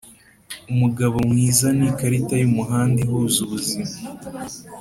umugabo mwiza ni ikarita yumuhanda ihuza ubuzima